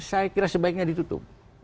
saya kira sebaiknya ditunggangi